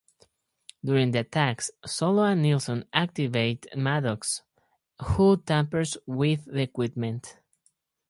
During the attacks, Solow and Nilson activate Maddox, who tampers with the equipment.